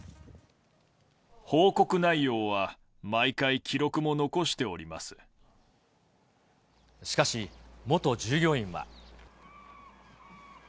報告内容は毎回記録も残してしかし、元従業員は。